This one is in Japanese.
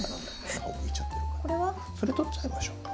それ取っちゃいましょうか。